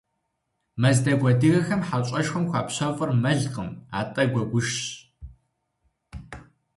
Мэздэгу адыгэхэм хьэщӏэшхуэм хуапщэфӏыр мэлкъым, атӏэ гуэгушщ.